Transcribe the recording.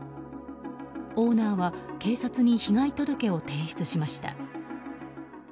オーナーは警察に被害届を提出しました。